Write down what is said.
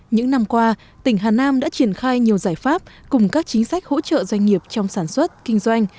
những năm qua tỉnh hà nam đã triển khai nhiều giải pháp cùng các chính sách hỗ trợ doanh nghiệp trong sản xuất kinh doanh